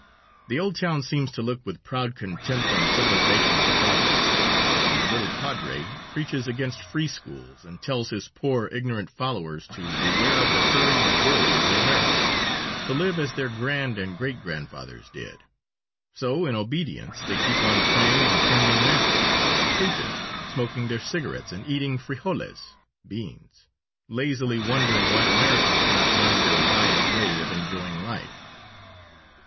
The old town seems to look with proud contempt on civilization and progress, and the little padre preaches against free schools and tells his poor, ignorant followers to beware of the hurry and worry of the Americans to live as their grand and great grandfathers did. So, in obedience they keep on praying and attending mass, sleeping, smoking their cigarettes and eating frijoles (beans), lazily wondering why Americans cannot learn their wise way of enjoying life.